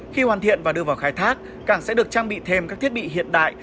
khi hoàn thiện và đưa vào khai thác cảng sẽ được trang bị thêm các thiết bị hiện đại